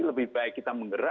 lebih baik kita menggerakkan